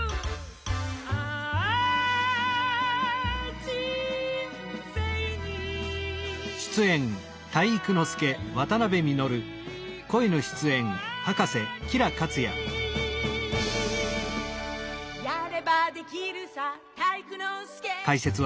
「あぁ、人生に体育あり」「やればできるさ体育ノ介」